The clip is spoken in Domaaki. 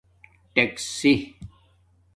ٹکسیی